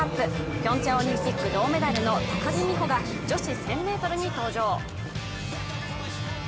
ピョンチャンオリンピック銅メダルの高木美帆が女子１０００ｍに登場。